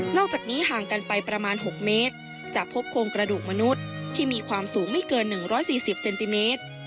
จากนี้ห่างกันไปประมาณ๖เมตรจะพบโครงกระดูกมนุษย์ที่มีความสูงไม่เกิน๑๔๐เซนติเมตร